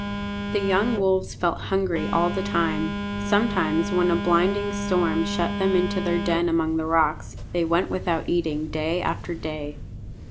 The young wolves felt hungry all the time. Sometimes, when a blinding storm shut them into their den among the rocks, they went without eating day after day.